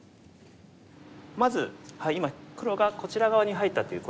まず今黒がこちら側に入ったということで。